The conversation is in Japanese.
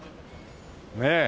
ねえ。